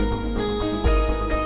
aku sudah berhenti